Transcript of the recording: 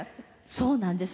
そうなんです。